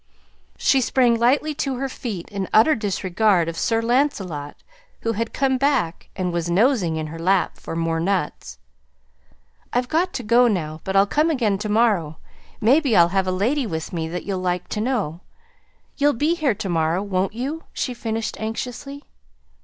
She sprang lightly to her feet in utter disregard of Sir Lancelot who had come back and was nosing in her lap for more nuts. "I've got to go now, but I'll come again to morrow. Maybe I'll have a lady with me that you'll like to know. You'll be here to morrow, won't you?" she finished anxiously.